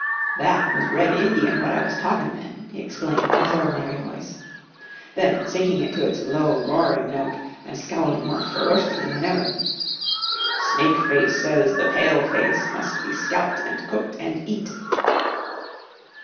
"That was Red Indian what I was talkin' then," he explained in his ordinary voice, then sinking it to its low, roaring note and scowling more ferociously than ever, "Snake Face says the Pale face must be scalped and cooked and eat!"